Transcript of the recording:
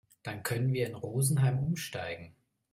Dann können wir in Rosenheim umsteigen.